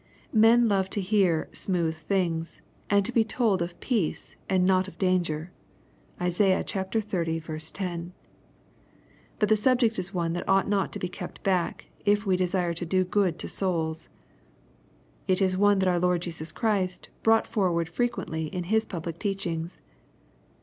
Men love to hear " smooth things,'' and to be told of peace, and not of danger. (Isai. xxx. 10.) But the subject is one that ought not to be kept back, if we desire to do good to souls. It is one that our Lord Jesus Christ brought forward frequently in His public teachings.